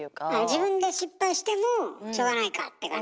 自分で失敗してもしょうがないかって感じ？